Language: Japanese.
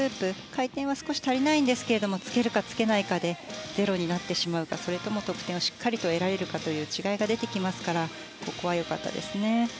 回転は足りないんですがつけるか、つけないかでゼロになってしまうかそれとも得点をしっかりと得られるかという違いが出てきますからここは良かったですね。